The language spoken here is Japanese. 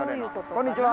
こんにちは！